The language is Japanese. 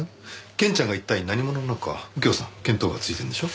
ケンちゃんが一体何者なのか右京さん見当がついてるんでしょ？